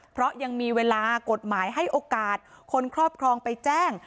เพราะยังมีเวลากฎหมายให้โอกาสคนครอบครองไปแจ้ง